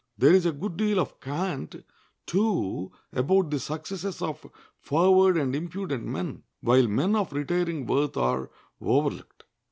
There is a good deal of cant, too, about the successes of forward and impudent men, while men of retiring worth are overlooked.